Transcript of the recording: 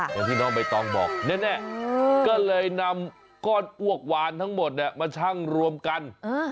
อย่างที่น้องใบตองบอกแน่ก็เลยนำก้อนอ้วกวานทั้งหมดมาชั่งรวมกัน